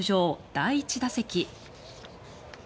第１打席。